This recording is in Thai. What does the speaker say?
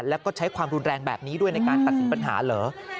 แล้วก็ใช้ความรุนแรงแบบนี้ด้วยในการตัดสินปัญหาเหรอ